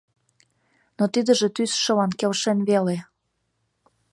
Но тидыже тӱсшылан келшен веле.